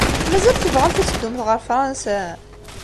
Mazal tebɣamt ad teddumt ɣer Fṛansa?